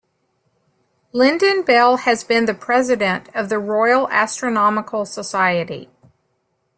Lynden-Bell has been the president of the Royal Astronomical Society.